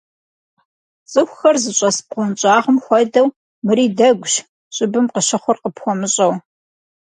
ЦӀыхухэр зыщӀэс бгъуэнщӀагъым хуэдэу, мыри дэгущ, щӀыбым къыщыхъур къыпхуэмыщӀэу.